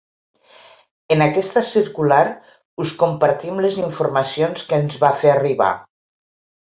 En aquesta circular us compartim les informacions que ens va fer arribar.